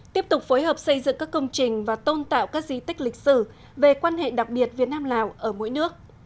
tiếp tục phối hợp xây dựng các công trình và tôn tạo các di tích lịch sử về quan hệ đặc biệt việt nam lào ở mỗi nước